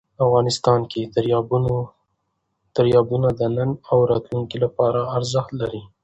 افغانستان کې دریابونه د نن او راتلونکي لپاره ارزښت لري.